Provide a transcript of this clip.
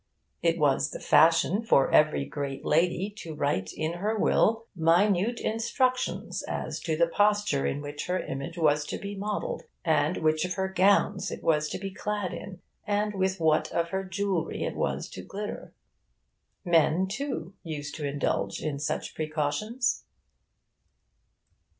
It was the fashion for every great lady to write in her will minute instructions as to the posture in which her image was to be modelled, and which of her gowns it was to be clad in, and with what of her jewellery it was to glitter. Men, too, used to indulge in such precautions.